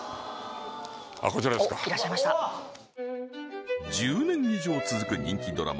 あっこちらですかおっいらっしゃいました１０年以上続く人気ドラマ